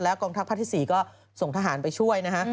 กองทัพภาคที่๔ก็ส่งทหารไปช่วยนะฮะ